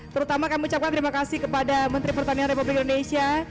terutama kami ucapkan terima kasih kepada menteri pertanian republik indonesia